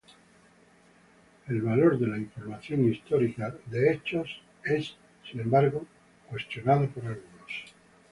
El valor de la información histórica en Hechos es, sin embargo, cuestionada por algunos.